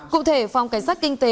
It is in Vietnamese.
cụ thể phòng cảnh sát kinh tế